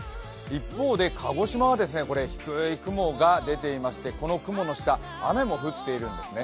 一方で鹿児島はこれ、低い雲が出ていましてこの雲の下、雨も降っているんですね。